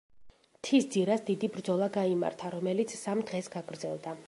მთის ძირას დიდი ბრძოლა გაიმართა, რომელიც სამ დღეს გაგრძელდა.